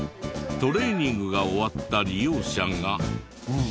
トレーニングが終わった利用者が。